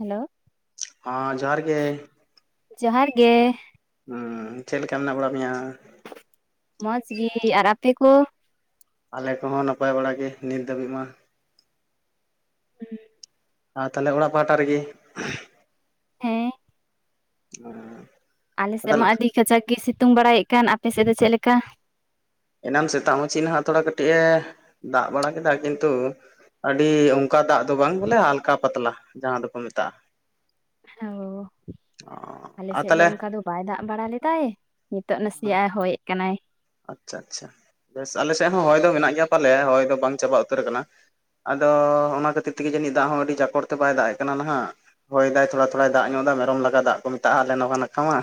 Hello ᱦᱟ ᱡᱚᱦᱟᱨ ᱜᱮ ᱡᱚᱦᱟᱨ ᱜᱮ ᱦᱮᱸ ᱪᱮᱫ ᱞᱮᱠᱟ ᱢᱮᱱᱟᱜ ᱵᱟᱲᱟ ᱢᱮᱭᱟ᱾ ᱢᱚᱡᱽ ᱜᱮ ᱟᱨ ᱟᱯᱮ ᱠᱚ? ᱟᱞᱮ ᱠᱚᱦᱚᱸ ᱱᱟᱯᱟᱭ ᱵᱟᱲᱟᱟᱜ ᱜᱮ ᱱᱤᱛ ᱫᱷᱟᱹᱵᱤᱡ ᱢᱟ᱾ ᱦᱮᱸ ᱟᱨ ᱛᱟᱦᱚᱞᱮ ᱚᱲᱟᱜ ᱯᱟᱦᱟᱴᱟ ᱨᱮᱜᱮ ᱦᱮᱸ ᱦᱩ ᱟᱞᱮᱥᱮᱫ ᱢᱟ ᱟᱹᱰᱤ ᱠᱟᱡᱟᱠ ᱜᱮ ᱥᱤᱛᱩᱝ ᱵᱟᱲᱟᱭᱮᱫ ᱠᱟᱱ ᱟᱯᱮ ᱥᱮᱫ ᱫᱚ ᱪᱮᱫ ᱞᱮᱠᱟ? ᱮᱱᱟᱱ ᱥᱮᱛᱟᱜ ᱢᱟᱹᱪᱷᱤ ᱦᱟᱜ ᱛᱷᱚᱲᱟ ᱠᱟᱹᱴᱤᱡ ᱮ ᱫᱟᱜ ᱵᱟᱲᱟ ᱠᱮᱫᱟ ᱠᱤᱱᱛᱩ ᱟᱹᱰᱤ ᱚᱱᱠᱟ ᱫᱟᱜ ᱫᱚ ᱵᱟᱝ ᱵᱚᱞᱮ ᱟᱞᱠᱟ ᱯᱟᱛᱞᱟ ᱡᱟᱦᱟᱸ ᱫᱚᱠᱚ ᱢᱮᱛᱟᱜᱼᱟ᱾ ᱚ ᱚ ᱟᱞᱮ ᱟᱨ ᱥᱮᱫ ᱫᱚ ᱛᱟᱦᱚᱞᱮ ᱚᱱᱠᱟ ᱫᱚ ᱵᱟᱭ ᱫᱟᱜ ᱵᱟᱲᱟ ᱞᱮᱫᱟᱭ ᱱᱤᱛᱚᱜ ᱱᱟᱥᱮᱭᱟᱜᱼ ᱮ ᱦᱚᱭᱮᱫ ᱠᱟᱱᱟᱭ ᱟᱪᱪᱷᱟ ᱟᱪᱪᱷᱟ ᱵᱮᱥ ᱟᱞᱮ ᱥᱮᱫ ᱦᱚᱸ ᱦᱚᱭ ᱫᱚ ᱢᱮᱱᱟᱜ ᱜᱮᱭᱟ ᱯᱟᱞᱮ ᱦᱚᱭ ᱫᱚ ᱵᱟᱝ ᱪᱟᱵᱟ ᱩᱛᱟᱹᱨ ᱟᱠᱟᱱᱟ ᱟᱫᱚ ᱚᱱᱟ ᱠᱷᱟᱹᱛᱤᱨ ᱛᱮᱜᱮ ᱡᱟᱹᱱᱤᱡ ᱫᱟᱜ ᱦᱚᱸ ᱟᱹᱰᱤ ᱡᱟᱠᱲ ᱛᱮ ᱵᱟᱭ ᱫᱟᱜ ᱮ ᱠᱟᱱᱟ ᱱᱟᱦᱟᱜ ᱦᱚᱭ ᱫᱟᱭ ᱛᱷᱚᱲᱟ ᱛᱷᱚᱲᱟᱭ ᱫᱟᱜ ᱧᱚᱜ ᱮᱫᱟ ᱢᱮᱨᱚᱢ ᱞᱟᱜᱟᱜ ᱫᱟᱜ ᱠᱚ ᱢᱮᱛᱟᱜᱼᱟ ᱟᱞᱮ ᱱᱚ ᱱᱟᱠᱟ ᱢᱟ᱾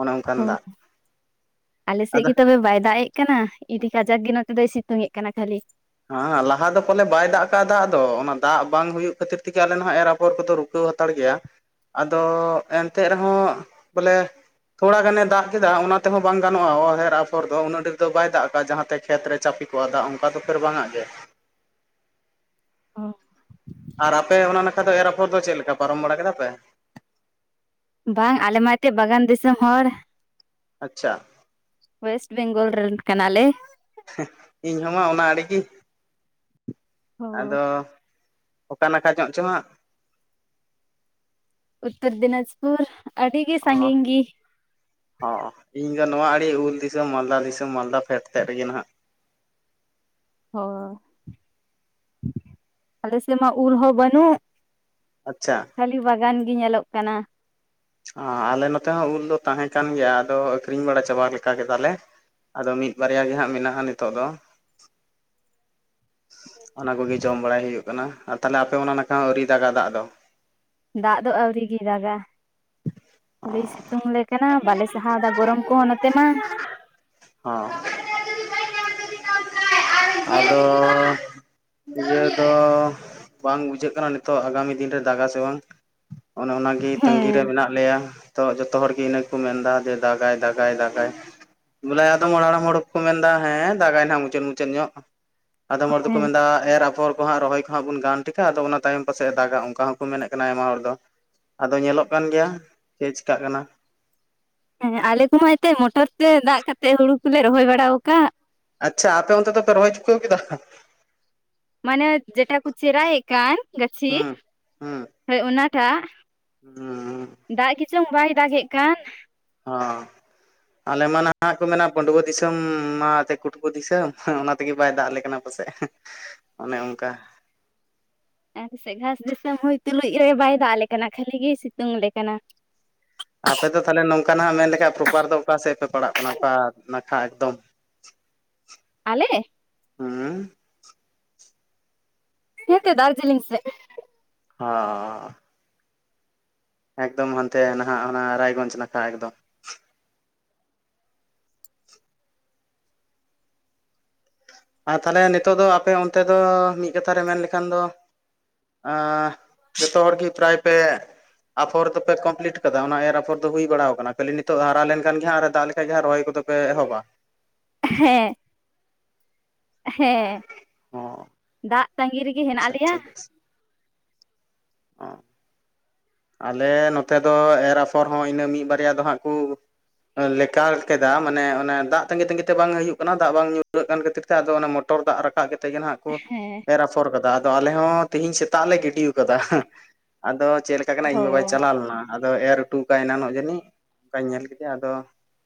ᱚᱱᱮ ᱚᱱᱠᱟᱱ ᱦᱚ ᱫᱟᱜ ᱟᱞᱮ ᱥᱮᱫ ᱟᱫᱚ ᱜᱮ ᱛᱚᱵᱮ ᱵᱟᱭ ᱫᱟᱜ ᱮᱫ ᱠᱟᱱᱟ ᱤᱫᱤ ᱠᱟᱡᱟᱠ ᱜᱮ ᱱᱚᱛ ᱫᱚᱭ ᱥᱤᱛᱩᱝ ᱮᱫ ᱠᱟᱱᱟ ᱠᱷᱟᱹᱞᱤ ᱦᱮᱸ ᱞᱟᱦᱟ ᱫᱚ ᱯᱟᱞᱮ ᱵᱟᱭ ᱫᱟᱜ ᱠᱟᱜᱼᱟ, ᱫᱟᱜ ᱫᱚ ᱚᱱᱟ ᱫᱟᱜ ᱵᱟᱝ ᱦᱩᱭᱩᱜ ᱠᱷᱟᱹᱛᱤᱨ ᱛᱮᱜᱮ ᱟᱞᱮ ᱟᱜ ᱮᱨᱟ ᱯᱚᱨ ᱠᱚᱫᱚ ᱨᱩᱯᱟᱹᱜᱼᱟ᱾ ᱠᱚ ᱦᱟᱛᱟᱲ ᱜᱮᱭᱟ ᱟᱫᱚ ᱮᱱᱛᱮᱜ ᱨᱮᱦᱚᱸ ᱵᱚᱞᱮ ᱛᱷᱚᱲᱟ ᱜᱟᱱᱮ ᱫᱟᱜ ᱠᱮᱫᱟ ᱚᱱᱟ ᱛᱮᱦᱚᱸ ᱵᱟᱝ ᱜᱟᱱᱚᱜᱼᱟ ᱮᱨ ᱟᱯᱷᱚᱨ ᱫᱚ ᱩᱱᱟᱹᱜ ᱰᱷᱮᱨ ᱫᱚ ᱵᱟᱭ ᱫᱟᱜ ᱠᱟᱜ ᱡᱟᱦᱟᱸ ᱛᱮ ᱠᱷᱮᱛ ᱨᱮ ᱪᱟᱯᱮ ᱠᱚᱜᱼᱟ ᱫᱟᱜ ᱚᱱᱠᱟ ᱫᱚ ᱯᱷᱮᱨ ᱵᱟᱝ ᱟᱜ ᱜᱮ ᱚ ᱟᱨ ᱟᱯᱮ ᱚᱱᱟ ᱱᱟᱠᱷᱟ ᱫᱚ ᱮᱨ ᱟᱯᱷᱚᱨ ᱫᱚ ᱪᱮᱫ ᱞᱮᱠᱟ ᱯᱟᱨᱚᱢ ᱵᱟᱲᱟ ᱠᱮᱫᱟ ᱯᱮ? ᱵᱟᱝ ᱟᱞᱮᱢᱟ ᱮᱱᱛᱮᱫ ᱵᱟᱜᱟᱱ ᱫᱤᱥᱚᱢ ᱦᱚᱲ ᱟᱪᱪᱷᱟ ᱳᱭᱮᱥᱴ ᱵᱮᱝᱜᱚᱞ ᱨᱮᱱ ᱠᱟᱱᱟᱞᱮ ᱾ ᱤᱧ ᱦᱚᱸᱢᱟ ᱚᱱᱟ ᱟᱲᱮᱜᱮ ᱚ ᱟᱫᱚ ᱚᱠᱟ ᱱᱟᱠᱷᱟ ᱧᱚᱜ ᱪᱮ ᱦᱟᱸᱜ ᱩᱛᱛᱚᱨ ᱫᱤᱱᱟᱡᱽᱯᱩᱨ ᱟᱹᱰᱤᱜ ᱚ ᱥᱟᱺᱜᱤᱧ ᱜᱮ ᱦᱚᱸ ᱤᱧ ᱫᱚ ᱱᱚᱣᱟ ᱟᱹᱰᱤ ᱩᱞ ᱫᱤᱥᱚᱢ ᱢᱟᱞᱫᱟ ᱫᱤᱥᱚᱢ ᱢᱟᱞᱫᱟ ᱯᱷᱮᱰ ᱥᱮᱫ ᱨᱮᱜᱮ ᱱᱟᱦᱟᱜ ᱦᱳᱭ ᱟᱞᱮ ᱥᱮᱢᱟ ᱩᱞ ᱦᱚᱸ ᱵᱟᱹᱱᱩᱜ ᱟᱪᱪᱷᱟ ᱠᱷᱟᱹᱞᱤ ᱵᱟᱜᱟᱱ ᱜᱮ ᱧᱮᱞᱚᱜ ᱠᱟᱱᱟ ᱟᱞᱮ ᱱᱚᱛᱮ ᱦᱚᱸ ᱩᱞ ᱫᱚ ᱛᱟᱦᱮᱸ ᱠᱟᱱ ᱜᱮᱭᱟ ᱟᱫᱚ ᱟᱠᱷᱨᱤᱧ ᱵᱟᱲᱟ ᱪᱟᱵᱟ ᱞᱮᱠᱟ ᱠᱮᱫᱟᱞᱮ ᱟᱫᱚ ᱢᱤᱫ ᱵᱟᱨᱭᱟ ᱜᱮ ᱦᱟᱸᱜ ᱢᱮᱱᱟᱜᱼᱟ ᱱᱤᱛᱳᱜ ᱫᱚ ᱚᱱᱟ ᱠᱚᱜᱮ ᱡᱚᱢ ᱵᱟᱲᱟᱭ ᱦᱩᱭᱩᱜ ᱠᱟᱱᱟ ᱟᱨ ᱛᱟᱞᱦᱮ ᱟᱯᱮ ᱚᱱᱟ ᱱᱟᱠᱷᱟ ᱟᱨᱣᱨᱤ ᱫᱟᱜᱟ ᱫᱟᱜ ᱫᱚ ᱫᱟᱜ ᱫᱚ ᱟᱹᱣᱨᱤ ᱜᱮ ᱫᱟᱜᱟ ᱚ ᱡᱮ ᱦᱚᱸ ᱥᱤᱛᱩᱝ ᱟᱞᱮ ᱠᱟᱱᱟ ᱵᱟᱞᱮ ᱥᱟᱦᱟᱣ ᱫᱟ ᱜᱚᱨᱚᱢ ᱠᱚᱦᱚᱸ ᱱᱚᱛᱮ ᱢᱟ ᱦᱚᱸ ᱟᱫᱚ ᱤᱭᱟᱹ ᱫᱚ ᱵᱟᱝ ᱵᱩᱡᱷᱟᱹᱜ ᱠᱟᱱᱟ ᱱᱤᱛᱚᱜ ᱟᱜᱟᱢᱤ ᱫᱤᱱ ᱨᱮ ᱫᱟᱜᱟ ᱥᱮ ᱵᱟᱝ ᱚᱱᱮ ᱚᱱᱟᱜᱮ ᱦᱮᱸ ᱛᱟᱹᱜᱤᱨᱮ ᱢᱮᱱᱟᱜ ᱞᱮᱭᱟ ᱛᱚ ᱡᱚᱛᱚ ᱦᱚᱲᱜᱮ ᱤᱱᱟᱹ ᱠᱚ ᱢᱮᱱᱫᱟ ᱡᱮ ᱫᱟᱜᱟᱭ ᱫᱟᱜᱟᱭ ᱫᱟᱜᱟᱭ ᱫᱟᱜᱟᱭ ᱵᱚᱞᱮ ᱟᱫᱚᱢ ᱦᱟᱲᱟᱢ ᱦᱚᱲᱠᱚ ᱢᱮᱱᱫᱟ ᱦᱮᱸ ᱫᱟᱜᱟᱭ ᱱᱟᱦᱟᱜ ᱢᱩᱪᱟᱹᱫ ᱢᱩᱪᱟᱹᱫ ᱧᱚᱜ ᱟᱫᱚᱢ ᱦᱚᱲ ᱫᱚᱠᱚ ᱦᱮᱸ ᱢᱮᱱᱫᱟ ᱮᱨ ᱟᱯᱷᱚᱨ ᱠᱚ ᱦᱟᱸᱜ ᱨᱚᱦᱚᱭ ᱠᱚᱦᱟᱸᱜ ᱵᱚᱱ ᱜᱟᱱ ᱴᱷᱤᱠᱟ ᱟᱫᱚ ᱚᱱᱟ ᱛᱟᱭᱚᱢ ᱯᱟᱥᱮ ᱫᱟᱜᱟ ᱚᱱᱠᱟ ᱦᱚᱸᱠᱚ ᱢᱮᱱᱮᱫ ᱠᱟᱱᱟ ᱟᱭᱢᱟ ᱦᱚᱲ ᱫᱚ ᱟᱫᱚ ᱧᱮᱞᱚᱜ ᱠᱟᱱ ᱜᱮᱭᱟ ᱪᱮᱫ ᱪᱤᱠᱟᱜ ᱠᱟᱱᱟ ᱦᱮᱸ ᱟᱞᱮ ᱠᱚᱢᱟ ᱮᱱᱛᱮ ᱢᱚᱴᱚᱨ ᱛᱮ ᱫᱟᱜ ᱠᱟᱛᱮᱜ ᱦᱩᱲᱩ ᱠᱚᱞᱮ ᱨᱚᱦᱚᱭ ᱵᱟᱲᱟ ᱟᱠᱟᱫ ᱟᱪᱪᱷᱟ ᱟᱯᱮ ᱚᱱᱛᱮ ᱫᱚ ᱯᱮ ᱨᱚᱦᱩᱭ ᱪᱩᱠᱟ. ᱣ ᱠᱮᱫᱟ ᱢᱟᱱᱮ ᱡᱮᱴᱟ ᱠᱚ ᱪᱮᱨᱟᱭᱮᱫ ᱠᱟᱱ ᱜᱟᱹᱪᱷᱤ ᱦᱩᱸ ᱦᱩᱸ ᱦᱳᱭ ᱚᱱᱟᱴᱟᱜ ᱦᱩᱸ ᱫᱟᱜ ᱜᱮ ᱪᱚᱝ ᱵᱟᱭ ᱫᱟᱜ ᱮᱫ ᱠᱟᱱ ᱚ ᱟᱞᱮ ᱢᱟ ᱱᱟᱦᱟᱜ ᱠᱚ ᱢᱮᱱᱟ ᱵᱷᱺᱰᱣᱟᱹ ᱫᱤᱥᱚᱢ ᱢᱟ ᱮ ᱠᱩᱴᱠᱩ ᱫᱤᱥᱚᱢ ᱚᱱᱟ ᱛᱮᱜᱮ ᱵᱟᱭ ᱫᱟᱜ ᱟᱞᱮ ᱠᱟᱱᱟ ᱯᱟᱥᱮᱫ ᱮ ᱚᱱᱮ ᱚᱱᱠᱟ ᱟᱨ ᱜᱷᱟᱥ ᱫᱤᱥᱚᱢ ᱦᱩᱭ ᱛᱩᱞᱩᱡ ᱨᱮ ᱵᱟᱭ ᱫᱟᱜ ᱟᱞᱮ ᱠᱟᱱᱟ ᱠᱷᱟᱹᱞᱤ ᱜᱮ ᱥᱤᱛᱩᱝ ᱟᱞᱮ ᱠᱟᱱᱟ ᱟᱯᱮ ᱫᱚ ᱛᱟᱦᱚᱞᱮ ᱱᱚᱝᱠᱟ ᱱᱟᱜ ᱢᱮᱱ ᱞᱮᱠᱷᱷᱟ ᱯᱨᱚᱯᱟᱨ ᱫᱚ ᱚᱠᱟ ᱥᱮᱫ ᱯᱮ ᱯᱟᱲᱟᱜ ᱠᱟᱱᱟ ᱚᱠᱟ ᱱᱟᱠᱷᱟ ᱮᱠᱫᱚᱢ ᱟᱞᱮ ᱦᱮᱸ ᱦᱮᱸ ᱫᱟᱨᱡᱤᱞᱤᱝᱥ ᱥᱮᱫ ᱦᱚ ᱮᱠᱫᱚᱢ ᱦᱟᱱᱛᱮ ᱱᱟᱦᱟᱜ ᱚᱱᱟ ᱨᱟᱭᱜᱚᱡᱽ ᱱᱟᱠᱷᱟ ᱮᱠᱫᱚᱢ ᱟᱨ ᱛᱟᱦᱚᱞᱮ ᱱᱤᱛᱚᱜ ᱫᱚ ᱟᱯᱮ ᱚᱱᱛᱮ ᱫᱚ ᱢᱤᱫ ᱠᱟᱛᱷᱟ ᱨᱮ ᱢᱮᱱ ᱞᱮᱠᱷᱟᱱ ᱫᱚ ᱡᱚᱛᱚ ᱦᱚᱲᱜᱮ ᱯᱨᱟᱭ ᱯᱮ ᱟᱯᱷᱚᱨ ᱫᱚᱯᱮ ᱠᱚᱢᱯᱞᱤᱴ ᱠᱟᱫᱟ ᱚᱱᱟ ᱮᱨ ᱟᱯᱷᱚᱨ ᱫᱚ ᱦᱩᱭ ᱵᱟᱲᱟ ᱟᱠᱟᱱᱟ ᱠᱷᱟᱹᱞᱤ ᱱᱤᱛᱚᱜ ᱦᱟᱨᱟ ᱞᱮᱱᱠᱷᱟᱱ ᱜᱮ ᱫᱟᱜ ᱞᱮᱠᱷᱟᱱ ᱨᱚᱦᱚᱭ ᱠᱚᱫᱚ ᱯᱮ ᱮᱦᱚᱵᱟ ᱦᱮᱸ ᱦᱮᱸ ᱚ ᱫᱟᱜ ᱛᱟᱸᱜᱤ ᱨᱮᱜᱮ ᱦᱮᱱᱟᱜ ᱟᱪᱪᱷᱟ ᱞᱮᱭᱟ ᱟᱪᱪᱷᱟ ᱵᱮᱥ ᱚ ᱟᱞᱮ ᱱᱚᱛᱮ ᱫᱚ ᱮᱨ ᱟᱯᱷᱚᱨ ᱦᱚᱸ ᱤᱱᱟᱹ ᱢᱤᱫ ᱵᱟᱨᱭᱟ ᱫᱚ ᱦᱟᱸᱜ ᱠᱚ ᱞᱮᱠ ᱠᱮᱫᱟ ᱢᱟᱱᱮ ᱚᱱᱟ ᱫᱟᱜ ᱛᱟ. ᱜᱤ ᱛᱟᱹᱜᱤ ᱛᱮ ᱵᱟᱝ ᱦᱩᱭᱩᱜ ᱠᱟᱱᱟ ᱫᱟᱜ ᱵᱟᱝ ᱧᱩᱨᱟᱹᱜ ᱠᱟᱱ ᱠᱷᱟᱹᱛᱤᱨ ᱛᱮ ᱟᱫᱚ ᱚᱱᱟ ᱢᱚ ᱯᱚᱴᱚᱨ ᱫᱟᱜ ᱨᱟᱠᱟᱵ ᱠᱟᱛᱮᱜ ᱜᱮ ᱱᱟᱦᱟᱜ ᱠᱚ ᱦᱮᱸ ᱮᱨᱟ ᱯᱷᱚᱨ ᱠᱟᱫᱟ ᱟᱞᱮ ᱦᱚᱸ ᱛᱦᱤᱧ ᱥᱮᱛᱟᱜ ᱞᱮ ᱜᱤᱰᱤ ᱠᱟᱫᱟ, ᱦᱮᱸ ᱟᱫᱚ ᱪᱮᱫ [inaudible] ᱠᱟᱱᱟᱭ ᱤᱧ ᱦᱳ ᱵᱟᱵᱟᱭ ᱪᱟᱞᱟᱣ ᱞᱮᱱᱟ ᱟᱫᱚ ᱮᱨ ᱦᱚᱴᱚ ᱠᱟᱭ ᱮᱱᱟ ᱡᱟᱹᱱᱤᱡ᱾ ᱚᱱᱠᱟᱧ ᱧᱮᱞ ᱠᱮᱫᱮᱭᱟ ᱟᱫᱚ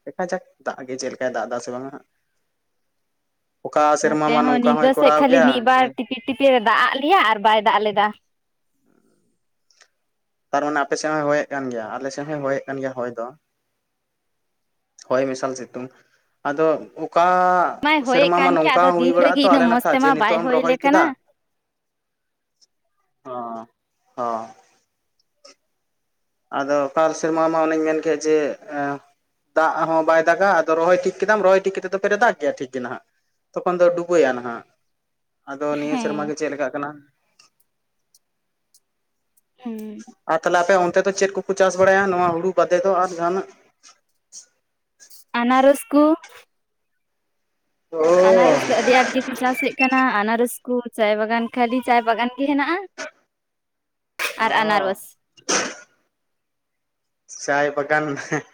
ᱫᱮᱠᱷᱟ ᱡᱟᱠ ᱫᱟᱜ ᱜᱮ ᱪᱮᱫ ᱞᱮᱠᱟᱭ ᱫᱟᱜ ᱮᱫᱟ ᱥᱮ ᱵᱟᱝ ᱦᱟᱜ? ᱚᱠᱟ ᱥᱮᱨᱢᱟ ᱱᱚᱛᱮ ᱢᱟ ᱦᱚᱸ ᱱᱚᱝᱠᱟ ᱧᱤᱫᱟᱹ ᱦᱚᱸᱭ ᱥᱮᱫ ᱠᱚᱨᱟᱣ ᱠᱷᱟᱹᱞᱤ ᱜᱮᱭᱟ ᱢᱤᱫ ᱡᱮ [inaudible] ᱫᱟᱜ ᱟᱫ ᱞᱮᱭᱟ ᱟᱨ ᱵᱟᱭ ᱫᱟᱜ ᱞᱮᱫᱟ᱾ ᱠᱟᱨᱚᱱ ᱟᱯᱮ ᱥᱮᱫ ᱦᱭᱮᱫ ᱠᱟᱱ ᱜᱮᱭᱟ ᱟᱞᱮ ᱥᱮᱫ ᱦᱚᱭ ᱦᱭᱮᱫ ᱠᱟᱱ ᱜᱮᱭᱟ ᱦᱚᱭ ᱫᱚ, ᱦᱚᱭ ᱢᱮᱥᱟᱞ ᱥᱤᱛᱩᱝ ᱟᱫᱚ ᱚᱠᱟ ᱢᱟᱭ ᱦᱚᱭᱮᱫ ᱥᱮᱨᱢᱟ ᱠᱟᱱ ᱢᱟ ᱜᱮᱭᱟ ᱱᱚᱝᱠᱟ ᱟᱫᱚ ᱦᱚᱸ ᱦᱩᱭ ᱫᱤᱱ ᱵᱟᱲᱟᱜ ᱨᱮᱜᱮ ᱟ ᱛᱚ ᱤᱱᱟᱹᱜ ᱟᱞᱮ ᱢᱚᱸᱡᱽ ᱱᱟᱠᱷᱟ ᱡᱮ ᱛᱮᱢᱟ ᱵᱟᱭ ᱱᱤᱛᱚᱜ ᱮᱢ ᱦᱚᱭ ᱞᱮ ᱨᱚᱦᱚᱭ ᱠᱟᱱᱟ ᱠᱮᱫᱟ ᱚ ᱦᱚ ᱟᱫᱚ ᱟᱠᱟᱞ ᱥᱮᱨᱢᱟ ᱢᱟ ᱚᱱᱮᱧ ᱢᱮᱱ ᱠᱮ ᱡᱮ ᱮ ᱫᱟᱜ ᱦᱚᱸ ᱵᱟᱭ ᱫᱟᱜᱟ ᱟᱫᱚ ᱨᱚᱦᱚᱭ ᱴᱷᱤᱠ ᱠᱮᱫᱟᱢ ᱨᱚᱦᱚᱭ ᱴᱷᱤᱠ ᱠᱟᱛᱮ ᱯᱷᱮᱨᱮ ᱫᱟᱜ ᱜᱮᱭᱟ ᱴᱷᱤᱠ ᱜᱮ ᱱᱟᱦᱟᱜ ᱛᱚᱠᱷᱚᱱ ᱫᱚ ᱰᱩᱵᱟᱹᱣ ᱟ ᱱᱟᱦᱟᱜ ᱟᱫᱚ ᱱᱤᱭᱟᱹ ᱥᱮᱨᱢᱟ ᱦᱮᱸ ᱜᱮ ᱪᱮᱫ ᱞᱮᱠᱟᱜ ᱠᱟᱱᱟ ᱦᱮᱸ ᱟᱨ ᱛᱟᱦᱞᱮ ᱟᱯᱮ ᱚᱱᱛᱮ ᱫᱚ ᱪᱮᱫ ᱠᱚᱠᱚ ᱪᱟᱥ ᱵᱟᱲᱟᱭᱟ ᱱᱚᱣᱟ ᱦᱩᱲᱩ ᱵᱟᱫᱮ ᱫᱚ ᱟᱨ ᱡᱟᱦᱟᱱᱟᱜ ᱟᱱᱟᱨᱚᱥ ᱠᱚ [inaudible] ᱟᱱᱟᱨᱚᱥ ᱫᱚ ᱟᱹᱰᱤ ᱟᱸᱴ ᱜᱮᱠᱚ ᱪᱟᱥᱮᱫ ᱠᱟᱱᱟ ᱟᱱᱟᱨᱚᱥ ᱠᱚ ᱪᱟᱭ ᱵᱟᱜᱟᱱ ᱠᱷᱟᱹᱞᱤ ᱪᱟᱭ ᱵᱟᱜᱟᱱ ᱜᱮ ᱦᱮᱱᱟᱜᱼᱟ᱾ ᱟᱨ ᱚ ᱟᱱᱟᱨᱚᱥ᱾ ᱪᱟᱭ ᱵᱟᱜᱟᱱ ᱦᱮᱸᱜ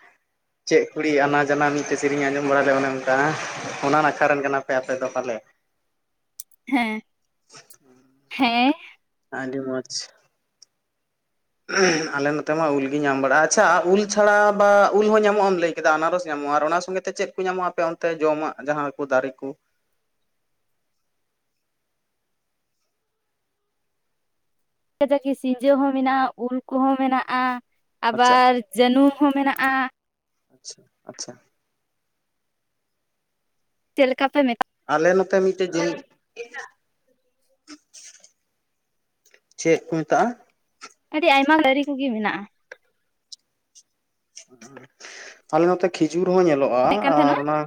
ᱪᱮᱫ ᱠᱩᱲᱤ ᱟᱱᱟ ᱢᱟᱱᱟ ᱤᱱᱠᱟᱹ ᱥᱮᱨᱮᱧ ᱟᱸᱡᱚᱢ ᱵᱟᱲᱟ ᱞᱮᱫᱟ ᱚᱱᱮ ᱚᱱᱠᱟ, ᱚᱱᱟ ᱱᱟᱠᱷᱟ ᱨᱮᱱ ᱠᱟᱱᱟ ᱯᱮ ᱟᱯᱮ ᱫᱚ ᱯᱟᱞᱮ? [inaudible] ᱦᱮᱸ ᱦᱮᱸ ᱟᱹᱰᱤ ᱢᱚᱡᱽ, ᱟᱞᱮ ᱱᱚᱛᱮ ᱢᱟ ᱩᱞᱜᱮ ᱧᱟᱢ ᱵᱟᱲᱟᱜᱼᱟ, ᱟᱪᱪᱷᱟ ᱩᱞ ᱪᱷᱟᱲᱟ ᱵᱟ ᱩᱞ ᱦᱚᱸ ᱧᱟᱢᱚᱜ ᱮᱢ ᱞᱟᱹᱭ ᱠᱮᱫᱟ, ᱚᱱᱟ ᱧᱟᱢᱚᱜᱼᱟ ᱟᱨ ᱚᱱᱟ ᱥᱚᱸᱜᱮ ᱪᱮᱫ ᱠᱚ ᱧᱟᱢᱚᱜᱼᱟ ᱟᱯᱮ ᱚᱱᱛᱮ ᱡᱚᱢᱟᱜ ᱡᱟᱦᱟᱸ ᱠᱚ ᱫᱟᱨᱮ ᱠᱩ? ᱡᱟᱜᱤ ᱥᱤᱸᱡᱟᱹ ᱦᱚᱸ ᱢᱮᱱᱟᱜᱼᱟ ᱩᱞ ᱠᱚᱦᱚᱸ ᱢᱮᱱᱟᱜᱼᱟ᱾ ᱟᱪᱪᱷᱟ ᱟᱵᱟᱨ ᱡᱟᱹᱱᱩᱢ ᱦᱚᱸ ᱢᱮᱱᱟᱜᱼᱟ᱾ ᱟᱪᱪᱷᱟ, ᱟᱪᱪᱷᱟ- ᱪᱮᱫ ᱞᱮᱠᱟ ᱯᱮ ᱢᱮᱛᱟ ᱟᱞᱮ ᱱᱚᱛᱮ ᱢᱤᱫᱴᱮᱡ ᱡᱤᱞ ᱪᱮᱫ ᱠᱚ ᱢᱮᱛᱟᱜᱼᱟ? ᱟᱹᱰᱤ ᱟᱭᱢᱟ ᱫᱟᱨᱮ ᱠᱚᱜᱮ ᱢᱮᱱᱟᱜᱼᱟ᱾ ᱛᱟᱞᱮ ᱱᱚᱛᱮ ᱠᱷᱤᱡᱩᱨ ᱦᱚᱸ ᱧᱮᱞᱚᱜᱼᱟ ᱢᱮᱱᱮᱫ ᱠᱟᱱ ᱟᱨ ᱛᱟᱦᱮᱱᱟ ᱚᱱᱟ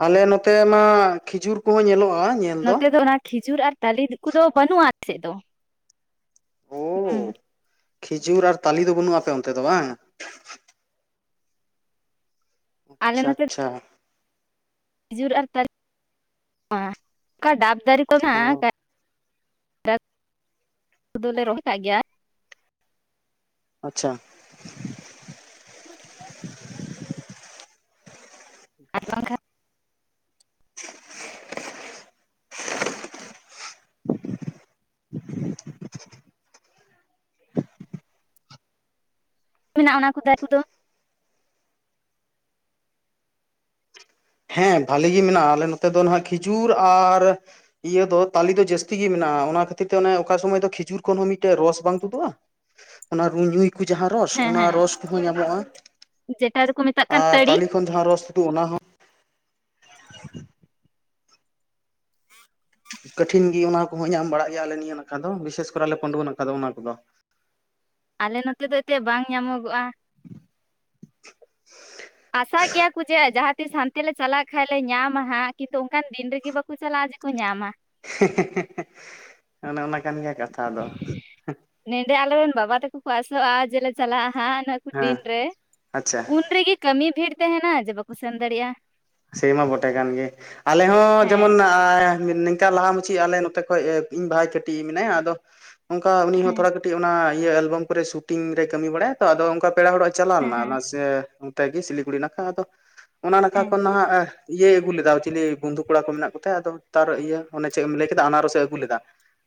ᱟᱞᱮ ᱱᱚᱛᱮ ᱢᱟ ᱠᱷᱤᱡᱩᱨ ᱠᱚᱦᱚᱸ ᱧᱮᱞᱚᱜᱼᱟ᱾ ᱱᱚᱛᱮ ᱫᱚ ᱚᱱᱟ ᱠᱷᱤᱡᱩᱨ ᱟᱨ ᱛᱟᱞᱮ ᱠᱚᱫᱚ ᱵᱟᱹᱱᱩᱜᱼᱟ ᱟᱞᱮ ᱥᱮᱫ ᱫᱚ ᱳ ᱦᱩᱸ᱾ ᱠᱷᱤᱡᱩᱨ ᱟᱨ ᱛᱟᱞᱮ ᱫᱚ ᱵᱟᱹᱱᱩᱜ ᱼᱟ ᱟᱯᱮ ᱚᱱᱛᱮ ᱫᱚ ᱵᱟᱝ? ᱟᱞᱮ ᱟᱪᱪᱷᱟ, ᱱᱚᱛᱮ ᱟᱪᱪᱷᱟ᱾ ᱠᱷᱤᱡᱩᱨ ᱟᱨ ᱛᱟᱨᱮ [inaudible] ᱚᱱᱠᱟ ᱰᱟᱵ ᱫᱟᱨᱮ ᱠᱚ ᱜᱮ ᱚ ᱢᱮᱱᱟᱜᱼᱟ, ᱠᱚᱫᱚ ᱞᱮ ᱨᱚᱦᱚᱭ ᱠᱟᱜ ᱜᱮᱭᱟ᱾ ᱟᱪᱪᱷᱟ [inaudible] ᱟᱨ ᱵᱟᱝ ᱠᱷᱟᱱ [inaudible] [inaudible] ᱢᱮᱱᱟᱜᱼᱟ ᱚᱱᱟ ᱠᱚ ᱫᱟᱭᱠᱩ [unintelligible] ᱫᱚ᱾ ᱦᱮᱸ ᱵᱷᱟᱞᱤ ᱜᱮ ᱢᱮᱱᱟᱜᱼᱟ ᱟᱞᱮ ᱱᱚᱛᱮ ᱫᱚ ᱦᱜ ᱠᱷᱤᱡᱩᱨ ᱟᱨ ᱤᱭᱟᱹ ᱫᱚ ᱛᱟᱞᱮ ᱫᱚ ᱡᱟᱹᱥᱛᱤ ᱜᱮ ᱢᱮᱱᱟᱜᱼᱟ ᱚᱱᱟ ᱠᱷᱟᱹᱛᱤᱨ ᱛᱮ ᱚᱱᱮ ᱚᱠᱟ ᱥᱚᱢᱚᱭ ᱫᱚ ᱠᱷᱤᱡᱩᱨ ᱠᱷᱚᱱ ᱦᱚᱸ ᱢᱤᱫᱴᱮᱡ ᱨᱚᱥ ᱵᱟᱝ ᱛᱩᱫᱩᱜᱼᱟ? ᱚᱱᱟ [inaudible] ᱡᱟᱦᱟᱸ ᱨᱚᱥ ᱦᱮᱸ ᱚᱱᱟ ᱦᱮᱸ ᱨᱚᱥ ᱠᱚᱦᱚᱸ ᱧᱟᱢᱚᱜᱼᱟ ᱡᱮᱴᱟ ᱫᱚᱠᱚ ᱢᱮᱛᱟᱜ ᱠᱟᱱ ᱟᱨ ᱛᱟᱹᱲᱤ ᱛᱟᱹᱞᱮ [inaudible] ᱡᱟᱸᱦᱟ ᱨᱚᱥ ᱛᱩᱫᱩᱜ-ᱟ ᱚᱱᱟ ᱦᱚᱸ ᱠᱚᱴᱤᱱ ᱜᱮ ᱚᱱᱟ ᱠᱚᱦᱚᱸ ᱧᱟᱢ ᱵᱟᱲᱟᱜ ᱜᱮᱭᱟᱞᱮ ᱱᱤᱭᱟᱹ ᱱᱟᱠᱷᱟ ᱫᱚ ᱵᱤᱥᱮᱥ ᱠᱚᱨᱮᱟᱞᱮ ᱯᱟᱸᱰᱩᱣᱟ ᱱᱟᱠᱷᱟ ᱫᱚ ᱚᱱᱟ ᱠᱚᱫᱚ᱾ ᱟᱞᱮ ᱱᱚᱛᱮ ᱫᱚ ᱮᱛᱮ ᱵᱟᱝ ᱧᱟᱢᱚᱜᱚᱜᱼᱟ᱾ ᱟᱥᱟᱭ ᱜᱮᱭᱟ ᱠᱚ ᱡᱮ ᱡᱟᱦᱟᱛᱤᱥ ᱦᱟᱱ ᱛᱮ ᱞᱮ ᱪᱟᱞᱟᱜ ᱠᱷᱟᱱᱡ ᱞᱮ ᱧᱟᱢᱟ ᱦᱟᱸᱜ, ᱠᱤᱱᱛᱩ ᱚᱱᱠᱟᱱ ᱫᱤᱱ ᱨᱮᱜᱮ ᱵᱟᱠᱚ ᱪᱟᱞᱟᱜᱼᱟ ᱡᱮᱠᱚ ᱧᱟᱢᱟ᱾ ᱦᱮᱸ ᱦᱮᱸ ᱦᱮᱸ ᱚᱱᱮ ᱚᱱᱟ ᱠᱟᱱ ᱜᱮᱭᱟ ᱠᱟᱛᱷᱟ ᱫᱚ᱾ ᱱᱮᱰᱮ ᱟᱞᱮ ᱨᱮᱱ ᱵᱟᱵᱟ ᱛᱟᱠᱚ ᱠᱚ ᱟᱥᱚᱜᱼᱟ ᱡᱮᱞᱮ ᱪᱟᱞᱟᱜᱼᱟ ᱦᱟᱸᱜ ᱦᱮᱸ ᱫᱤᱱ ᱨᱮ ᱟᱪᱪᱷᱟ ᱩᱱ ᱨᱮᱜᱮ ᱠᱟᱹᱢᱤ ᱵᱷᱤᱲ ᱛᱟᱦᱮᱱᱟ ᱡᱮ ᱵᱟᱠᱚ ᱥᱮᱱ ᱫᱟᱲᱮᱭᱟᱜᱼᱟ᱾ ᱥᱮ ᱢᱟ ᱵᱚᱴᱮ ᱠᱟᱱ ᱜᱮ ᱟᱞᱮ ᱦᱚᱸ ᱦᱮᱸ ᱡᱮᱢᱚᱱ ᱟᱻ ᱱᱤᱝᱠᱟ ᱞᱟᱦᱟ ᱢᱩᱪᱤ ᱟᱞᱮ ᱱᱚᱛᱮ ᱠᱷᱚᱡ ᱤᱧ ᱵᱷᱟᱭ ᱠᱟᱹᱴᱤᱡ ᱮᱡ ᱢᱮᱱᱟᱭᱟ ᱟᱫᱚ ᱚᱱᱠᱟ ᱩᱱᱤ ᱦᱚᱸ ᱦᱮᱸ ᱛᱷᱚᱲᱟ ᱠᱟᱹᱴᱤᱡ ᱚᱱᱟ ᱤᱭᱟᱹ ᱮᱞᱵᱟᱢ ᱠᱚᱨᱮ ᱥᱩᱴᱤᱝ ᱨᱮ ᱠᱟᱹᱢᱤ ᱵᱟᱲᱟᱭᱟ ᱛᱚ ᱟᱫᱚ ᱚᱱᱠᱟ ᱯᱮᱲᱟ ᱦᱚᱲᱜ ᱪᱟᱞᱟᱣ ᱦᱮᱸ ᱞᱮᱱᱟ ᱚᱱᱟ ᱦᱮᱸ ᱥᱮ ᱚᱱᱛᱮ ᱜᱮ ᱥᱤᱞᱤᱜᱩᱲᱤ ᱱᱟᱠᱷᱟ ᱟᱫᱚ ᱚᱱᱟ ᱱᱟᱠᱷᱟ ᱦᱮᱸ ᱠᱷᱚᱱ ᱱᱟᱦᱟᱜ ᱤᱭᱟᱹᱭ ᱟᱹᱜᱩ ᱞᱮᱫᱟ ᱪᱤᱞᱤ ᱵᱚᱱᱫᱷᱩ ᱠᱚᱲᱟ ᱠᱚ ᱢᱮᱱᱟᱜ ᱠᱚ ᱛᱟᱭᱟ ᱛᱟᱨ ᱤᱭᱟᱹ ᱚᱱᱮ ᱪᱮᱫ ᱮᱢ ᱞᱟᱹᱭ ᱠᱮᱫᱟ ᱟᱱᱟᱨᱚᱥ ᱮ ᱟᱹᱜᱩ ᱞᱮᱫᱟ᱾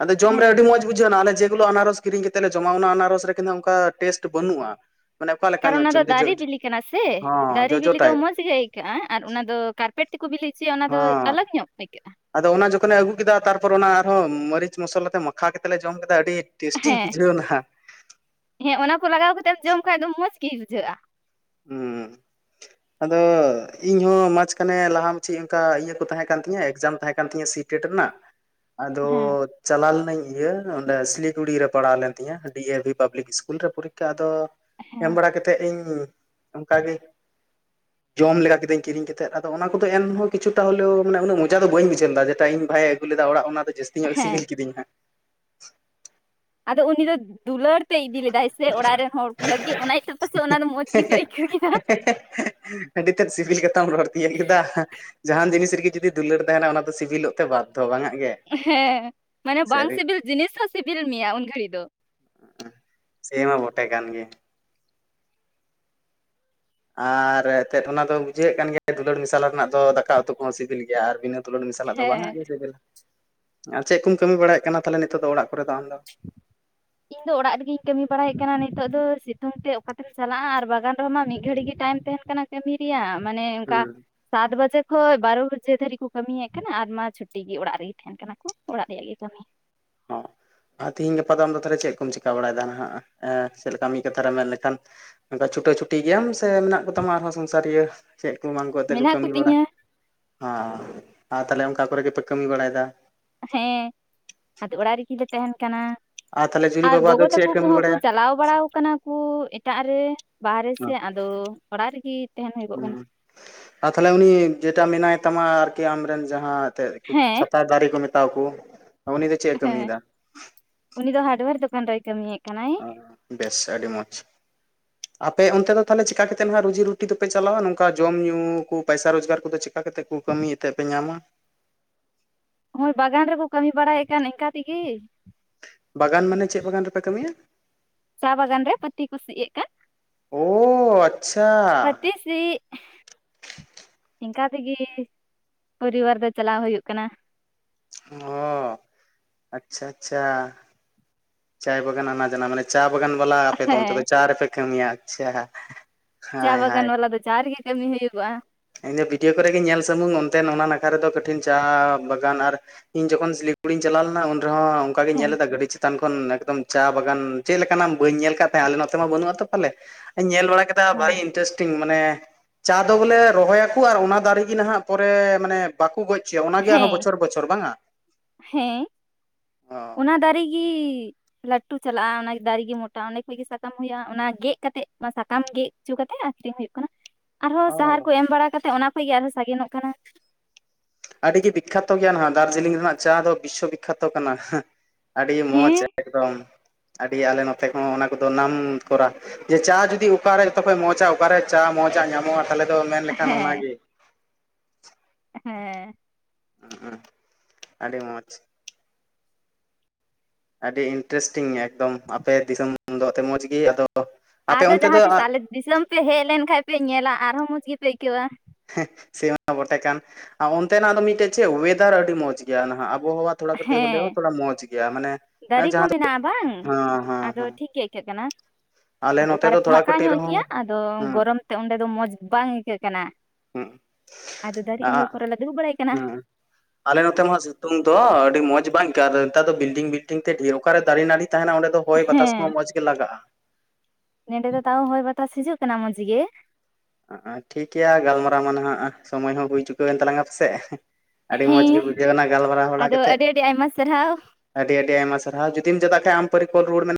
ᱟᱫᱚ ᱡᱚᱢ ᱨᱮ ᱦᱮᱸ ᱟᱹᱰᱤ ᱢᱚᱸᱡᱽ ᱵᱩᱡᱷᱟᱹᱣ ᱮᱱᱟ ᱟᱞᱮ ᱡᱮᱜᱩᱞᱚ ᱟᱱᱟᱨᱚᱥ ᱠᱤᱨᱤᱧ ᱠᱟᱛᱮ ᱞᱮ ᱡᱚᱢᱟ ᱚᱱᱟ ᱟᱱᱟᱨᱚᱥ ᱨᱮ ᱠᱤᱱᱛᱩ ᱚᱱᱠᱟ ᱴᱮᱥᱴ ᱵᱟᱹᱱᱩᱜᱼᱟ᱾ ᱢᱟᱱᱮ ᱚᱠᱟ ᱞᱮᱠᱟ ᱠᱟᱨᱚᱱ ᱧᱚᱜ ᱚᱱᱟ ᱪᱚ ᱫᱚ ᱢᱤᱫᱴᱮᱡ ᱡᱚ ᱫᱟᱨᱮ ᱵᱹᱤᱞᱤ ᱠᱟᱱᱟ ᱥᱮ ᱦᱚᱸ ᱫᱟᱨᱮ ᱡᱚᱡᱚ ᱵᱮᱹᱤᱞᱤ ᱫᱚ ᱴᱟᱭᱤᱯ ᱢᱚᱸᱡᱽ ᱜᱮ ᱟᱹᱭᱠᱟᱹ ᱟᱹᱭᱠᱟᱹᱜᱼᱟ ᱟᱨ ᱚᱱᱟ ᱫᱚ ᱠᱟᱨᱯᱮᱴ ᱛᱮᱠᱚ ᱵᱤᱞᱤ ᱦᱚᱪᱚᱭᱟ ᱚᱱᱟ ᱫᱚ ᱦᱚᱸ ᱟᱞᱟᱜ ᱧᱚᱜ ᱟᱹᱭᱠᱟᱹᱜᱼᱟ ᱟᱫᱚ ᱚᱱᱟ ᱡᱚᱠᱷᱚᱱᱮ ᱟᱹᱜᱩ ᱠᱮᱫᱟ ᱛᱟᱨᱯᱚᱨ ᱚᱱᱟ ᱟᱨᱦᱚᱸ ᱢᱟᱹᱨᱤᱪ ᱢᱚᱥᱞᱟ ᱛᱮ ᱢᱟᱠᱷᱟ ᱠᱟᱛᱮᱫ ᱞᱮ ᱡᱚᱢ ᱠᱮᱫᱟ ᱟᱹᱰᱤ ᱴᱮᱥᱴᱤ ᱦᱮᱸ ᱵᱩᱡᱷᱟᱹᱣ ᱱᱟᱦᱟᱜ᱾ ᱦᱮᱸ ᱚᱱᱟ ᱠᱚ ᱞᱟᱜᱟᱣ ᱠᱟᱛᱮᱢ ᱡᱚᱢ ᱠᱷᱟᱡ ᱫᱚ ᱢᱚᱸᱡᱽ ᱜᱮ ᱵᱩᱡᱷᱟᱹᱜᱼᱟ᱾ ᱦᱩᱸ ᱟᱫᱚ ᱤᱧᱦᱚᱸ ᱢᱟᱡᱽᱠᱷᱟᱱᱮ ᱞᱟᱦᱟ ᱢᱟᱪᱮ ᱚᱱᱠᱟ ᱤᱭᱟᱹ ᱠᱚ ᱛᱟᱦᱮᱸ ᱠᱟᱱ ᱛᱤᱧᱟᱹ ᱮᱠᱡᱟᱢ ᱛᱟᱦᱮᱸ ᱠᱟᱱ ᱛᱤᱧᱟᱹ ᱥᱤᱴ ᱴᱮᱴ ᱨᱮᱱᱟᱜ ᱟᱫᱚ ᱦᱮᱸ ᱪᱟᱞᱟᱣ ᱞᱮᱱᱟᱹᱧ ᱤᱭᱟᱹ ᱚᱸᱰᱮ ᱥᱤᱞᱤᱜᱩᱲᱤ ᱨᱮ ᱯᱟᱲᱟᱣ ᱞᱮᱱ ᱛᱤᱧᱟᱹ ᱰᱤ ᱮ ᱵᱷᱤ ᱯᱟᱵᱞᱤᱠ ᱤᱥᱠᱩᱞ ᱨᱮ ᱯᱚᱨᱤᱠᱷᱟ ᱟᱫᱚ ᱮᱢ ᱦᱮᱸ ᱵᱟᱲᱟ ᱠᱟᱛᱮᱫ ᱤᱧ ᱚᱱᱠᱟᱜᱮ ᱡᱚᱢ ᱞᱮᱜᱟ ᱠᱤᱫᱟᱹᱧ ᱠᱤᱨᱤᱧ ᱠᱮᱛᱮᱫ ᱟᱫᱚ ᱚᱱᱟ ᱠᱚᱫᱚ ᱮᱱᱦᱚᱸ ᱠᱤᱪᱷᱩᱟᱴᱟ ᱦᱚᱞᱮᱣ ᱢᱟᱱᱮ ᱩᱱᱟᱹᱜ ᱢᱚᱡᱟ ᱫᱚ ᱵᱟᱹᱧ ᱵᱩᱡᱷᱟᱣ ᱞᱮᱫᱟ ᱡᱮᱴᱟ ᱤᱧ ᱵᱷᱟᱜ ᱮ ᱟᱹᱜᱩᱞᱮᱫᱟ ᱚᱲᱟᱜ ᱚᱱᱟ ᱫᱚ ᱡᱟᱹᱥᱛᱤ ᱧᱚᱜ ᱦᱮᱸ ᱥᱤᱵᱤᱞ ᱠᱤᱫᱤᱧᱟ ᱦᱟᱜ ᱟᱫᱚ ᱩᱱᱤ ᱫᱚ ᱫᱩᱞᱟᱹᱲ ᱛᱮᱭ ᱤᱫᱤ ᱞᱮᱫᱟᱭ ᱥᱮ ᱚᱲᱟᱜ ᱨᱮᱱ ᱦᱚᱲ ᱠᱩ ᱞᱟᱹᱜᱤᱫ ᱚᱱᱟ ᱤᱭᱟᱹᱛᱮ ᱯᱟᱥᱮᱫ ᱚᱱᱟ ᱫᱚ ᱢᱚᱸᱡᱽ ᱜᱮᱯᱮ ᱟᱹᱭᱠᱟᱹᱣ ᱠᱮᱫᱟ ᱦᱟᱜ ᱦᱮᱸᱻ ᱦᱮᱸᱻ ᱦᱮᱸᱻ ᱟᱹᱰᱤ ᱛᱮᱫ ᱥᱤᱵᱤᱞ ᱠᱟᱛᱷᱟᱢ ᱨᱚᱲ ᱛᱤᱱᱟᱹᱜ ᱠᱮᱫᱟ᱾ ᱡᱟᱦᱟᱱ ᱡᱤᱱᱤᱥ ᱨᱮᱜᱮ ᱡᱩᱫᱤ ᱫᱩᱞᱟᱹᱲ ᱛᱟᱦᱮᱱᱟ ᱚᱱᱟ ᱫᱚ ᱥᱤᱵᱤᱞᱚᱜ ᱛᱮ ᱵᱟᱫᱽᱫᱷᱚ ᱵᱟᱝᱟᱜ ᱜᱮ ᱦᱮᱸ, ᱢᱟᱱᱮ ᱵᱟᱝ ᱥᱟᱹᱨᱤ ᱥᱤᱵᱤᱞ ᱡᱤᱱᱤᱥ ᱦᱚᱸ ᱥᱤᱵᱤᱞ ᱢᱮᱭᱟ ᱩᱱ ᱜᱷᱟᱹᱲᱤ ᱫᱚ ᱥᱮ ᱢᱟ ᱵᱚᱴᱮ ᱠᱟᱱ ᱜᱮ ᱟᱨ ᱮᱱᱛᱮᱫ ᱚᱱᱟ ᱫᱚ ᱵᱩᱡᱷᱟᱹᱜ ᱠᱟᱱ ᱜᱮᱭᱟ ᱫᱩᱞᱟᱹᱲ ᱢᱮᱥᱟᱞ ᱨᱮᱱᱟᱜ ᱫᱚ ᱫᱟᱠᱟ ᱩᱛᱩ ᱠᱚᱦᱚᱸ ᱥᱤᱵᱤᱞ ᱜᱮᱭᱟ᱾ ᱟᱨ ᱵᱤᱱᱟᱹ ᱫᱩᱞᱟᱹᱲ ᱢᱮᱥᱟᱞᱟᱜ ᱫᱚ ᱵᱟᱝᱟᱜ ᱦᱮᱸ ᱜᱮᱭᱟ ᱡᱮᱵᱤᱞᱟ ᱟᱨ ᱪᱮᱫ ᱠᱚᱢ ᱠᱟᱹᱢᱤ ᱵᱟᱲᱟᱭᱮᱫ ᱠᱟᱱᱟ ᱛᱟᱞᱦᱮ ᱱᱤᱛᱚᱜ ᱫᱚ ᱚᱲᱟᱜ ᱠᱚᱨᱮ ᱫᱚ ᱟᱢᱫᱚ ᱤᱧ ᱫᱚ ᱚᱲᱟᱜ ᱨᱮᱜᱤᱧ ᱠᱟᱹᱢᱤ ᱵᱟᱲᱟᱭᱮᱫ ᱠᱟᱱᱟ ᱱᱤᱛᱚᱜ ᱫᱚ ᱥᱤᱛᱩᱝ ᱛᱮ ᱚᱠᱟᱛᱮᱢ ᱪᱟᱞᱟᱜᱼᱟ ᱟᱨ ᱵᱟᱜᱟᱱ ᱨᱮᱦᱚ ᱢᱟ ᱢᱤᱫ ᱜᱷᱟᱹᱲᱤ ᱜᱮ ᱴᱟᱭᱤᱢ ᱛᱟᱦᱮᱱ ᱠᱟᱱᱟ ᱠᱟᱹᱢᱤ ᱨᱮᱭᱟᱜ ᱢᱟᱱᱮ ᱚᱝᱠᱟ ᱦᱩᱸ ᱥᱟᱛ ᱵᱟᱡᱮ ᱠᱷᱚᱡ ᱵᱟᱨᱚ ᱵᱟᱡᱮ ᱫᱷᱵᱤᱡ ᱠᱚ ᱠᱟᱹᱢᱤᱭᱮᱫ ᱠᱟᱱᱟ ᱟᱨ ᱢᱟ ᱪᱷᱩᱴᱤ ᱜᱮ ᱚᱲᱟᱜ ᱨᱮᱜᱮ ᱛᱟᱦᱮᱱ ᱢᱮ ᱠᱟᱱᱟ ᱠᱚ ᱚᱲᱟᱜ ᱨᱮᱭᱟᱜ ᱜᱮ ᱠᱟᱹᱢᱤ ᱚ ᱟᱨ ᱛᱤᱦᱤᱧ ᱜᱟᱯᱟ ᱫᱚ ᱟᱢ ᱫᱚ ᱛᱟᱦᱚᱞᱮ ᱪᱮᱫ ᱠᱚᱢ ᱪᱤᱠᱟᱹ ᱵᱟᱲᱟᱭᱮᱫᱟ ᱦᱟᱜ ᱮᱸ ᱪᱮᱫ ᱞᱮᱠᱟ ᱢᱤᱫ ᱠᱟᱛᱷᱟᱨᱮ ᱢᱮᱱ ᱞᱮᱠᱷᱟᱱ ᱚᱱᱠᱟ ᱪᱷᱩᱴᱟᱹ ᱪᱷᱩᱴᱤ ᱜᱮᱭᱟᱢ ᱥᱮ ᱢᱮᱱᱟᱜ ᱠᱚᱛᱟᱢᱟ ᱟᱨᱦᱚᱸ ᱥᱚᱝᱥᱟᱨᱤᱭᱟᱹ?. ᱪᱮᱫ ᱠᱩ ᱮᱢᱟᱱ ᱠᱩ ᱮᱛᱮᱫ ᱠᱚ ᱢᱮᱱᱟᱜ ᱠᱟᱹᱢᱤ ᱵᱟᱲᱟ ᱠᱚᱛᱤᱧᱟ ᱦᱚᱸ ᱟᱨ ᱛᱟᱦᱚᱞᱮ ᱚᱱᱠᱟ ᱠᱚᱨᱮ ᱜᱮᱯᱮ ᱠᱟᱹᱢᱤ ᱵᱟᱲᱟᱭᱮᱫᱟ᱾ ᱦᱮᱸ ᱟᱫᱚ ᱚᱲᱟᱜ ᱨᱮᱜᱤ ᱞᱮ ᱛᱟᱦᱮᱱ ᱠᱟᱱᱟ᱾ ᱟᱨ ᱛᱟᱦᱚᱞᱮ ᱡᱩᱨᱤ ᱟᱨ ᱵᱟᱵᱟ ᱫᱚ ᱜᱚᱜᱚ ᱪᱮᱫ ᱛᱟᱠᱩ ᱮ ᱠᱟᱹᱢᱤ ᱠᱚᱦᱚᱸ ᱠᱚ ᱵᱟᱲᱟᱭᱟ ᱪᱟᱞᱟᱣ ᱵᱟᱲᱟᱣ ᱠᱟᱱᱟ ᱠᱩ ᱮᱴᱟᱜ ᱨᱮ ᱵᱟᱦᱨᱮ ᱥᱮᱫ ᱟᱫᱚ ᱚᱲᱟᱜ ᱨᱮᱜᱮ ᱛᱟᱦᱮᱱ ᱦᱩᱭᱩᱜᱚᱜ ᱠᱟᱱᱟ᱾ ᱦᱩᱸ ᱟᱨ ᱛᱟᱞᱦᱮ ᱩᱱᱤ ᱡᱮᱴᱟ ᱢᱮᱱᱟᱭ ᱛᱟᱢᱟ ᱟᱨᱠᱤ ᱟᱢᱨᱮᱱ ᱡᱟᱦᱟᱸ ᱮᱱᱛᱮᱫ ᱪᱷᱟ ᱦᱮᱸ ᱛᱟ ᱫᱟᱨᱮ ᱠᱩ ᱢᱮᱛᱟᱣ ᱠᱩ ᱩᱱᱤ ᱫᱚ ᱪᱮᱜ-ᱮ ᱦᱮᱸ ᱠᱟᱹᱢᱤᱭᱮᱫᱟ ᱩᱱᱤ ᱫᱚ ᱦᱟᱨᱰᱳᱭᱮᱨ ᱫᱚᱠᱟᱱ ᱨᱮᱭ ᱠᱟᱹᱤᱭᱮᱫ ᱠᱟᱱᱟᱭ ᱚᱸ ᱵᱮᱥ ᱟᱹᱰᱤ ᱢᱚᱡᱽ ᱟᱯᱮ ᱚᱱᱛᱮ ᱫᱚ ᱛᱟᱦᱚᱞᱮ ᱪᱤᱠᱟ ᱠᱟᱛᱮᱱ ᱦᱟᱜ ᱨᱩᱡᱤ ᱨᱩᱴᱤ ᱫᱚᱯᱮ ᱪᱟᱞᱟᱣᱟ ᱱᱚᱝᱠᱟ ᱡᱚᱢ ᱧᱩ ᱠᱚ ᱯᱟᱭᱥᱟ ᱨᱳᱡᱽᱜᱟᱨ ᱠᱚᱫᱚ ᱪᱮ ᱚᱝᱠᱟ ᱠᱟᱛᱮᱫ ᱠᱩ ᱠᱟᱹᱢᱤᱭᱮᱛ ᱛᱮ ᱯᱮ ᱧᱟᱢᱟ ᱦᱳᱭ ᱵᱟᱜᱟᱱ ᱨᱮᱠᱚ ᱠᱟᱹᱢᱤ ᱵᱟᱲᱟᱭᱮᱫ ᱠᱟᱱ ᱤᱱᱠᱟ ᱛᱮᱜᱮ᱾ ᱵᱟᱜᱟᱱ ᱢᱟᱱᱮ ᱪᱮᱫ ᱵᱟᱜᱟᱱ ᱨᱮᱯᱮ ᱠᱟᱹᱢᱤᱭᱟ ᱪᱟ ᱵᱟᱜᱟᱱ ᱨᱮ ᱯᱟᱹᱛᱤ ᱠᱚ ᱥᱤ ᱮᱫ ᱠᱟᱱ, ᱳ ᱟᱪᱪᱷᱟ ᱯᱟᱹᱛᱤ ᱪᱤᱜ ᱤᱝᱠᱟ ᱛᱮᱜᱮ ᱯᱚᱨᱤᱵᱟᱨ ᱫᱚ ᱪᱟᱞᱟᱣ ᱦᱩᱭᱩᱜ ᱠᱟᱱᱟ᱾ ᱦᱚ, ᱟᱪᱷᱟ ᱟᱪᱷᱟ ᱪᱟᱭ ᱵᱟᱜᱟᱱ ᱟᱱᱟ ᱡᱟᱱᱟ ᱢᱟᱱᱮ ᱪᱟ ᱵᱟᱜᱟᱱ ᱵᱟᱞᱟ ᱟᱯᱮ ᱫᱚ ᱚᱱᱛᱮ ᱦᱮᱸ ᱫᱚ ᱪᱟ ᱨᱮᱯᱮ ᱠᱟᱹᱢᱤᱭᱟ ᱟᱪᱷᱟ ᱪᱟ ᱵᱟᱜᱟᱱ ᱵᱟᱞᱟ ᱫᱚ ᱪᱟ ᱨᱮᱜᱮ ᱠᱟᱹᱢᱤ ᱦᱩᱭᱩᱜᱚᱼᱟ᱾ ᱤᱧ ᱫᱚ ᱵᱷᱤᱰᱤᱭᱳ ᱠᱚᱨᱮ ᱜᱮ ᱧᱮᱞ ᱥᱩᱢᱩᱝ ᱚᱱᱛᱮ ᱚᱱᱟ ᱱᱟᱠᱷᱟ ᱨᱮᱫᱚ ᱠᱟᱹᱴᱷᱤᱱ ᱪᱟ ᱵᱟᱜᱟᱱ ᱟᱨ ᱤᱧ ᱡᱚᱠᱷᱚᱱ ᱥᱤᱞᱤᱜᱩᱲᱤᱧ ᱪᱟᱞᱟᱣ ᱞᱮᱱᱟ ᱩᱱ ᱨᱮᱦᱚᱸ ᱚᱱᱠᱟ ᱜᱮᱧ ᱦᱮᱸ ᱧᱮᱞ ᱞᱮᱫᱟ ᱜᱟᱹᱰᱤ ᱪᱮᱛᱟᱱ ᱠᱷᱚᱱ ᱮᱠᱫᱚᱢ ᱪᱟ ᱵᱟᱜᱟᱱ ᱪᱮᱫ ᱞᱮᱠᱟᱱᱟᱜ ᱵᱟᱹᱧ ᱧᱮᱞ ᱟᱠᱟᱫ ᱛᱟᱦᱮᱸ ᱟᱞᱮ ᱱᱚᱛᱮ ᱢᱟ ᱵᱟᱹᱱᱩᱜᱼᱟ ᱛᱚ ᱯᱟᱞᱮ ᱧᱮᱞ ᱵᱟᱲᱟ ᱠᱮᱫᱟ ᱦᱮᱸ ᱵᱟᱜᱤ ᱤᱱᱴᱟᱨᱮᱥᱴᱤᱝ ᱢᱟᱱᱮ ᱪᱟ ᱫᱚ ᱵᱚᱞᱮ ᱨᱚᱦᱚᱭᱟ ᱠᱚ ᱟᱨ ᱚᱱᱟ ᱫᱟᱨᱮ ᱜᱤ ᱱᱟᱦᱟᱜ ᱯᱚᱨᱮ ᱢᱟᱱᱮ ᱵᱟᱠᱩ ᱜᱚᱡ ᱦᱚᱪᱚᱭᱟ ᱚᱱᱟᱜᱮ ᱟᱨᱦᱚᱸ ᱦᱮᱸ ᱵᱚᱪᱷᱚᱨ ᱵᱚᱪᱷᱚᱨ ᱵᱟᱝᱼᱟ? ᱦᱮᱸ ᱦᱚᱸ ᱚᱱᱟ ᱫᱟᱨᱮ ᱜᱤ ᱞᱟᱹᱴᱩ ᱪᱟᱞᱟᱜᱼᱟ, ᱚᱱᱟ ᱫᱟᱨᱮᱜᱮ ᱜᱮ ᱢᱚᱴᱟ ᱚᱸᱰᱮ ᱠᱷᱚᱡᱜᱤ ᱥᱟᱠᱟᱢ ᱦᱩᱭᱩᱜᱼᱟ, ᱚᱱᱟ ᱜᱮᱫ ᱠᱟᱛᱮᱜ ᱚᱱᱟ ᱥᱟᱠᱟᱢ ᱜᱮᱫ ᱦᱚᱪᱚ ᱠᱟᱛᱮᱫ ᱟᱠᱷᱨᱤᱧ ᱦᱩᱭᱩᱜ ᱠᱟᱱᱟ ᱟᱨᱦᱚᱸ ᱥᱟᱦᱟᱨ ᱚ ᱠᱚ ᱮᱢ ᱵᱟᱲᱟ ᱠᱟᱛᱮᱮᱫ ᱚᱱᱟ ᱠᱷᱚᱡ ᱜᱮ ᱟᱨᱦᱚᱸ ᱥᱟᱜᱮᱱᱚᱜ ᱠᱟᱱᱟ᱾ ᱟᱹᱰᱤᱜᱮ ᱵᱤᱠᱽᱠᱷᱟᱛᱚ ᱜᱮᱭᱟ ᱱᱟᱜ ᱫᱟᱨᱡᱤᱞᱤᱝ ᱨᱮᱱᱟᱜ ᱪᱟ ᱫᱚ ᱵᱤᱥᱥᱚ ᱵᱤᱠᱠᱷᱟᱛᱚ ᱠᱟᱱᱟ᱾ ᱟᱹᱰᱤ ᱢᱚᱡᱽ ᱦᱮᱸ ᱮᱠᱫᱚᱢ ᱟᱹᱰᱤ ᱟᱞᱮ ᱱᱚᱛᱮ ᱠᱚᱦᱚᱸ ᱚᱱᱟ ᱠᱚᱫᱚ ᱱᱟᱢ ᱠᱚᱨᱟ ᱡᱮ ᱪᱟ ᱡᱩᱫᱤ ᱚᱠᱟᱨᱮ ᱡᱚᱛᱚᱠᱷᱚᱡ ᱢᱚᱸᱡᱟ ᱚᱠᱟᱨᱮ ᱪᱟ ᱢᱚᱡ ᱟ ᱧᱟᱢᱚᱜᱼᱟ, ᱛᱟᱦᱚᱞᱮ ᱫᱚ ᱢᱮᱱᱞᱠᱷᱟᱱ ᱦᱮᱸ ᱚᱱᱟᱜᱮ ᱦᱮᱸ ᱮᱸ ᱟᱹᱰᱤ ᱢᱚᱡᱽ᱾ ᱟᱹᱰᱤ ᱤᱱᱴᱟᱨᱮᱥᱴᱤᱝ ᱮᱠᱫᱚᱢ ᱟᱯᱮ ᱫᱤᱥᱚᱢ ᱫᱚ ᱮᱛ ᱢᱚᱸᱡᱽ ᱜᱮ ᱟᱫᱚ ᱟᱯᱮ ᱟᱫᱚ ᱚᱱᱛᱮ ᱫᱚ ᱡᱟᱦᱟᱸ ᱛᱤᱥ ᱟᱞᱮ ᱫᱤᱥᱚᱢ ᱯᱮ ᱦᱮᱡ ᱞᱮᱱᱠᱷᱟᱱᱡ ᱯᱮ ᱧᱮᱞᱟ ᱟᱨᱦᱚᱸ ᱢᱚᱸᱡᱽ ᱜᱮᱯᱮ ᱟᱹᱭᱠᱟᱹᱣᱟ᱾ ᱦᱮᱸᱜ ᱥᱮ ᱟᱫᱚ ᱵᱚᱴᱮ ᱠᱟᱱ ᱟᱨ ᱚᱱᱛᱮᱱᱟᱜ ᱫᱚ ᱢᱤᱫᱴᱮᱡ ᱪᱮᱫ ᱚᱭᱮᱫᱟᱨ ᱟᱹᱰᱤ ᱢᱚᱸᱡᱽ ᱜᱮᱭᱟ ᱱᱟᱦᱟᱜ ᱟᱵᱚᱦᱟᱣᱟ ᱛᱷᱚᱲᱟ ᱠᱟᱹᱴᱤᱡ ᱵᱚᱞᱮ ᱦᱮᱸ ᱛᱷᱚᱲᱟ ᱢᱚᱸᱡ ᱜᱮᱭᱟ ᱢᱟᱱᱮ ᱫᱟᱨᱮ ᱦᱮᱸ ᱠᱚ ᱦᱮᱸ ᱢᱮᱱᱟᱜᱼᱟ ᱵᱟᱝ ᱟᱫᱚ ᱦᱮᱸ ᱴᱷᱤᱠ ᱜᱮ ᱟᱹᱭᱠᱟᱹᱜ ᱠᱟᱱᱟ ᱟᱞᱮ ᱟᱫᱚ ᱱᱚᱛᱮ ᱚᱠᱟᱨᱮ ᱫᱚ ᱛᱷᱚᱲᱟ ᱯᱷᱟᱸᱠᱟ ᱠᱟᱹᱴᱤᱡ ᱧᱚᱜ ᱨᱮᱦᱚᱸ, ᱜᱮᱭᱟ ᱟᱫᱚ ᱦᱮᱸ ᱜᱚᱨᱚᱢ ᱚᱸᱰᱮ ᱫᱚ ᱢᱚᱸᱡᱽ ᱵᱟᱝ ᱟᱹᱭᱠᱟᱹᱜ ᱠᱟᱱᱟ, ᱦᱮᱸ ᱟᱫᱚ ᱫᱟᱨᱮ ᱩᱢᱩᱞ ᱠᱚᱨᱮᱞᱮ ᱫᱩᱲᱩᱵ ᱵᱟᱲᱟᱭ ᱠᱟᱱᱟ᱾ [inaudible] ᱟᱞᱮ ᱱᱚᱛᱮ ᱢᱟ ᱥᱤᱛᱩᱝ ᱫᱚ ᱟᱹᱰᱤ ᱢᱚᱸᱡᱽ ᱵᱟᱝ ᱟᱹᱭᱠᱣ ᱱᱮᱛᱟᱨ ᱫᱚ ᱵᱤᱞᱰᱤᱝ ᱵᱤᱞᱰᱤᱝ ᱛᱮ ᱰᱷᱮᱨ ᱚᱠᱟᱨᱮ ᱫᱟᱨᱮ ᱱᱟᱹᱲᱤ ᱛᱟᱦᱮᱱᱟ ᱚᱸᱰᱮ ᱫᱚ ᱦᱚᱭ ᱵᱟᱛᱟᱥ ᱢᱟ ᱢᱚᱸᱡᱽ ᱜᱮ ᱞᱟᱜᱟᱜᱼᱟ᱾ ᱱᱚᱸᱰᱮ ᱫᱚ ᱛᱟᱣ ᱦᱚᱭ ᱵᱟᱛᱟᱥ ᱦᱤᱡᱩᱜ ᱠᱟᱱᱟ ᱢᱚᱡᱽ ᱜᱮ ᱟᱸ-ᱟᱸ ᱴᱷᱤᱠ ᱜᱮᱭᱟ ᱜᱟᱞᱢᱟᱨᱟᱣ ᱢᱟ ᱱᱟᱦᱟᱜ ᱥᱚᱢᱚᱭ ᱦᱚᱸ ᱦᱩᱭ ᱪᱩᱠᱟᱹᱣᱮᱱ ᱛᱟᱞᱟᱝᱟ ᱯᱮᱥᱮᱜ᱾ ᱟᱹᱰᱤ ᱢᱚᱡᱽ ᱦᱮᱸ ᱜᱮ ᱵᱩᱡᱷᱟᱹᱣ ᱮᱱᱟ ᱜᱟᱞᱢᱟᱨᱟᱣ ᱵᱟᱲᱟ ᱠᱟ ᱟᱫᱚ ᱠᱟᱛᱮᱫ ᱟᱹᱰᱤ ᱟᱹᱰᱤ ᱟᱭᱢᱟ ᱥᱟᱨᱦᱟᱣ ᱾ ᱟᱹᱰᱤ, ᱟᱹᱰᱤ ᱟᱭᱢᱟ ᱥᱟᱨᱦᱟᱣ ᱡᱩᱫᱤᱢ ᱪᱟᱞᱟᱜ ᱠᱷᱟᱱ ᱟᱢ ᱯᱟᱹᱨᱤ ᱠᱚᱞ ᱨᱩᱣᱟᱹᱲ ᱢᱮ᱾